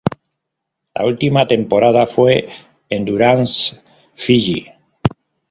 La última temporada fue Endurance Fiji.